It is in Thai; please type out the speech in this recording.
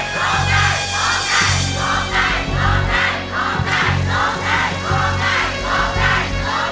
โทษให้โทษให้โทษให้โทษให้